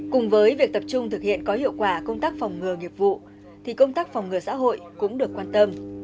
cùng với việc tập trung thực hiện có hiệu quả công tác phòng ngừa nghiệp vụ thì công tác phòng ngừa xã hội cũng được quan tâm